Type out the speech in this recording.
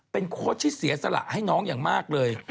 เป็นโค้ชที่เสียสละให้น้องอย่างมากเลย